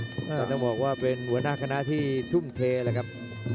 ต้องบอกว่าเป็นหัวหน้าคณะที่ทุ่มเทเลยครับ